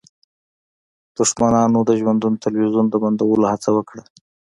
دښمنانو د ژوندون تلویزیون د بندولو هڅه وکړه